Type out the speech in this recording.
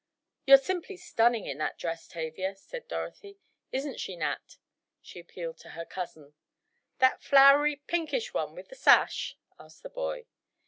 "You're simply stunning in that dress, Tavia," said Dorothy. "Isn't she, Nat?" she appealed to her cousin. "That flowery, pinkish one, with the sash?" asked the boy.